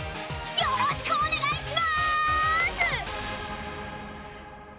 よろしくお願いします！